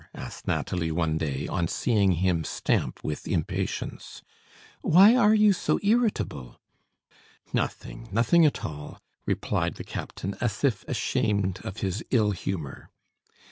asked Nathalie one day, on seeing him stamp with impatience. "Why are you so irritable?" "Nothing nothing at all!" replied the captain, as if ashamed of his ill humor.